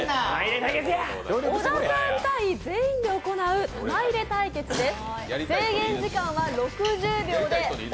小田さん対全員で行う玉入れ対決です。